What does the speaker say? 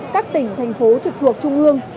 các tỉnh thành phố trực thuộc trung ương